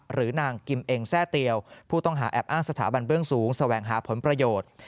หรือนางกิมเองแทร่เตียวผู้ต้องหาแอบอ้างสถาบันเบื้องสูงแสวงหาผลประโยชน์